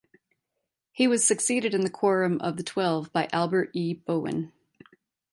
He was succeeded in the Quorum of the Twelve by Albert E. Bowen.